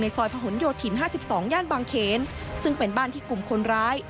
ซอยพะหนโยธิน๕๒ย่านบางเขนซึ่งเป็นบ้านที่กลุ่มคนร้าย